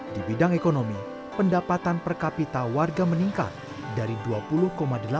di bidang ekonomi pendapatan per kapita warga meningkat dari dua puluh delapan juta per tahun pada dua ribu sepuluh